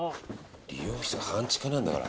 理容室半地下なんだから。